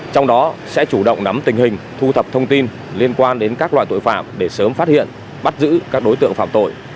trong đó sẽ chủ động nắm tình hình thu thập thông tin liên quan đến các loại tội phạm để sớm phát hiện bắt giữ các đối tượng phạm tội